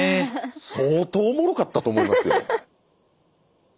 相当おもろかったと思いますよ。